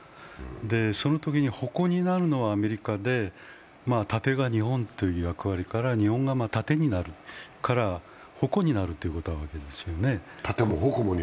そのときに矛になるのはアメリカで盾が日本という役割から日本が盾になるから矛にもなるわけですよね。